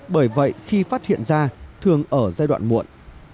bởi vậy khi phát hiện ra thường ở giai đoạn muộn